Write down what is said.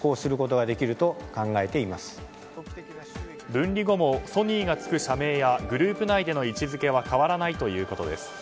分離後もソニーがつく社名やグループ内での位置付けは変わらないということです。